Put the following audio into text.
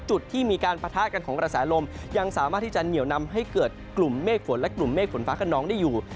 จุดที่มีการปะทะกันของกระแสลมยังสามารถที่จะเหนียวนำให้เกิดกลุ่มเมฆฝนและกลุ่มเมฆฝนฟ้าขนองได้อยู่